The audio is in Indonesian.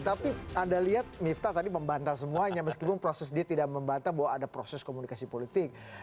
tapi anda lihat miftah tadi membantah semuanya meskipun proses dia tidak membantah bahwa ada proses komunikasi politik